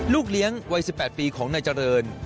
ลูกเลี้ยงวัย๑๘ปีของนายเจริญ